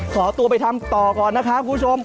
ขอตัวไปทำต่อก่อนนะครับคุณผู้ชม